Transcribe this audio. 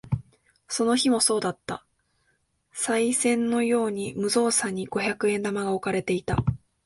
その日もそうだった。賽銭のように無造作に五百円玉が置かれていた。